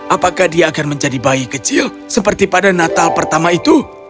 apakah dia akan menjadi bayi kecil seperti pada natal pertama itu